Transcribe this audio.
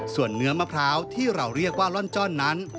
ส่วนเนื้อมะพร้าวที่เราเรียกว่าล่อนจ้อนนั้น